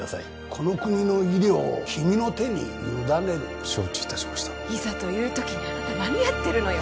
この国の医療を君の手に委ねる承知いたしましたいざという時にあなた何やってるのよ